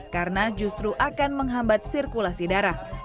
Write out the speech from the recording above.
karena justru akan menghambat sirkulasi darah